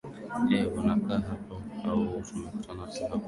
e unakaa hapa au tumekutana tu hapa